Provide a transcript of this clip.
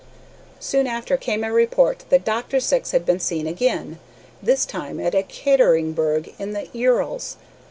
Soon after came a report that Dr. Syx had been seen again; this time at Ekaterinburg, in the Urals.